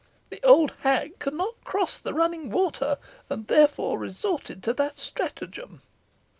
The old hag could not cross the running water, and therefore resorted to that stratagem."